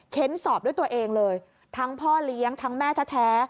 สอบด้วยตัวเองเลยทั้งพ่อเลี้ยงทั้งแม่แท้